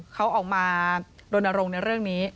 เขาออกมารณรงค์ในเรื่องนี้